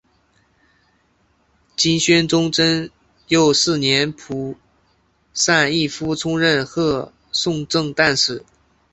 金宣宗贞佑四年仆散毅夫充任贺宋正旦使。